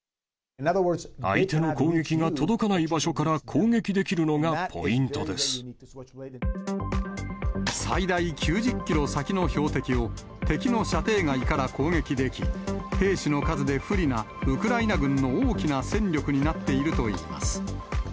相手の攻撃が届かない場所か最大９０キロ先の標的を、敵の射程外から攻撃でき、兵士の数で不利なウクライナ軍の大きな戦力になっているといいます。